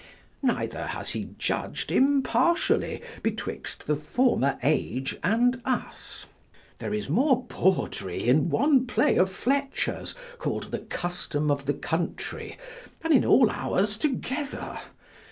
Neither has he judg'd impartially betwixt the former age and us. There is more bawdry in one play of Fletcher's, call'd The Custom of the Country, than in all ours together.